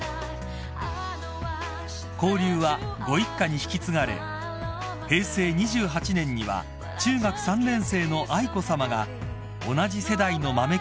［交流はご一家に引き継がれ平成２８年には中学３年生の愛子さまが同じ世代の豆記者と懇談されています］